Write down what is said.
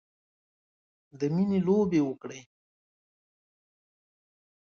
د میینې لوبې وکړې